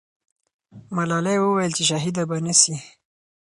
ملالۍ وویل چې شهیده به نه سي.